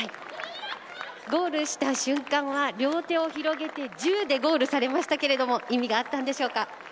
ゴールした瞬間は両手を広げて１０でゴールされましたが意味があったんでしょうか。